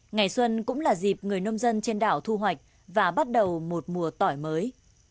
ngày xuân cũng là dịp người nông dân trên đảo thu hoạch và bắt đầu một mùa tỏi mới